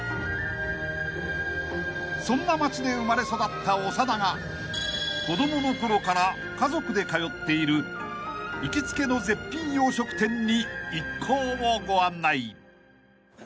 ［そんな町で生まれ育った長田が子供のころから家族で通っている行きつけの絶品洋食店に一行をご案内］